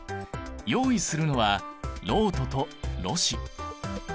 用意するのはろうととろ紙。